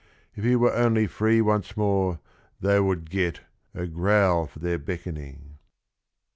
If he were only free once more they would get " a growl for their beckoning."